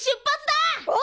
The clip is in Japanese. お！